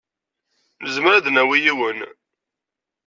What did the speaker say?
Nezmer ad d-nawi yiwen.